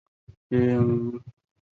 美军也拒绝远离海参崴。